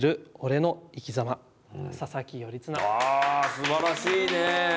すばらしいね。